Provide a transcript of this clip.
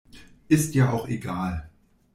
Ist ja auch egal.